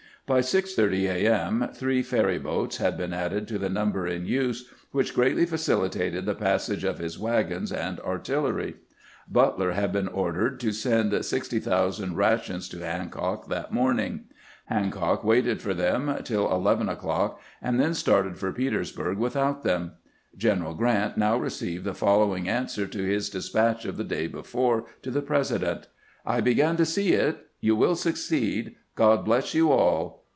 By 6:30 A. m. three ferry boats had been added to the number in use, which greatly facil itated the passage of his wagons and artillery. Butler THE PASSAGE OF THE JAMES 199 had been ordered to send sixty thousand rations to Hancock that morning. Hancock waited for them till eleven o'clock, and then started for Petersburg without them. General Grant now received the following an swer to his despatch of the day before to the Presi dent :" I begin to see it. You will succeed. God bless you all.